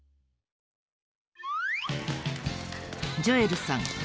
ジョエルさん